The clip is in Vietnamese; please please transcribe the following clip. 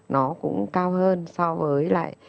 nó cũng cao hơn so với lại